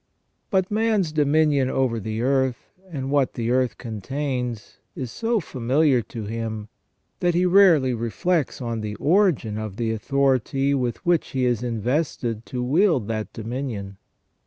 But man's dominion over the earth, and what the earth contains, is so familar to him, that he rarely reflects on the origin of the authority with which he is invested to wield that dominion.